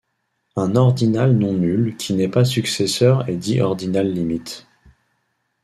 Un ordinal non nul qui n'est pas successeur est dit ordinal limite.